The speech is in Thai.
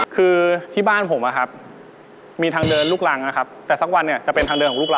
คือมันค่อนข้างจะเฟิร์ม